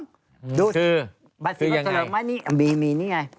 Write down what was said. คือ